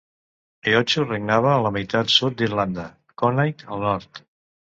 Eochu regnava a la meitat sud d'Irlanda, Conaing, al nord.